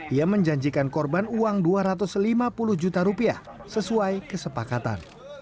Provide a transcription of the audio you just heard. ia menjanjikan korban uang dua ratus lima puluh juta rupiah sesuai kesepakatan